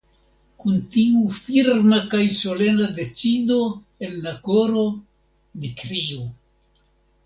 Kun tiu firma kaj solena decido en la koro ni kriu.